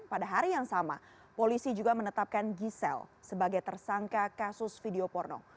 pada hari yang sama polisi juga menetapkan giselle sebagai tersangka kasus video porno